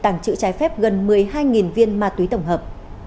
tăng trị trái phép gần một mươi hai viên ma túy tổng hợp